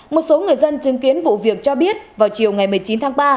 một số người dân chứng kiến vụ việc cho biết vào chiều ngày một mươi chín tháng ba